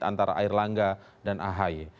antara air langga dan ahy